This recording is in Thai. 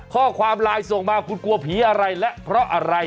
ข้อความไลน์ส่งมาคุณกลัวผีอะไรและเพราะอะไร